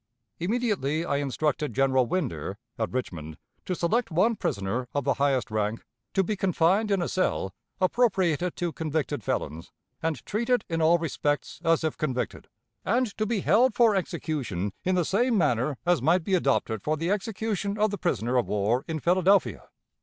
Immediately I instructed General Winder, at Richmond, to select one prisoner of the highest rank, to be confined in a cell appropriated to convicted felons, and treated in all respects as if convicted, and to be held for execution in the same manner as might be adopted for the execution of the prisoner of war in Philadelphia.